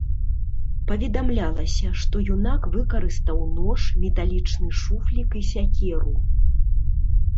Паведамлялася, што юнак выкарыстаў нож, металічны шуфлік і сякеру.